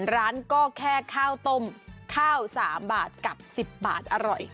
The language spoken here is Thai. ร้านก็แค่ข้าวต้มข้าว๓บาทกับ๑๐บาทอร่อย